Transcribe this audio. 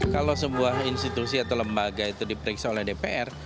kalau sebuah institusi atau lembaga itu diperiksa oleh dpr